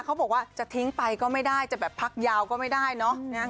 เขาบอกว่าจะทิ้งไปก็ไม่ได้จะแบบพักยาวก็ไม่ได้เนอะ